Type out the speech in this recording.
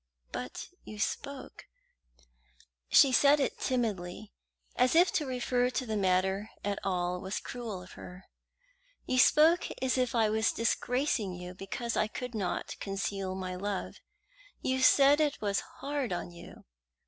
"But you spoke" she said it timidly, as if to refer to the matter at all was cruel of her "you spoke as if I was disgracing you because I could not conceal my love. You said it was hard on you."